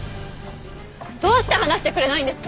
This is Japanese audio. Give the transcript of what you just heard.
どうして話してくれないんですか？